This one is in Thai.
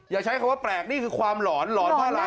อย่าใช้คำว่าแปลกนี่คือความหลอนหลอนผ้าลาย